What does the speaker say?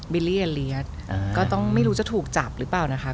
ลี่อเลียสก็ต้องไม่รู้จะถูกจับหรือเปล่านะคะ